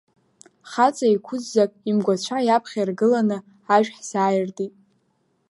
Хаҵа еиқәыззак, имгәацәа иаԥхьа иргыланы, ашә ҳзааиртит.